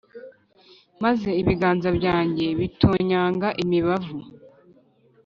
maze ibiganza byanjye bitonyanga imibavu,